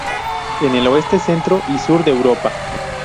En el oeste, centro y sur de Europa.